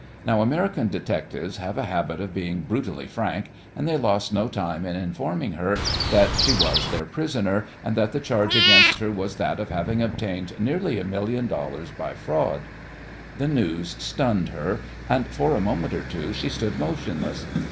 Now American detectives have a habit of being brutally frank, and they lost no time in informing her that she was their prisoner, and that the charge against her was that of having obtained nearly a million dollars by fraud. The news stunned her, and for a moment or two she stood motionless.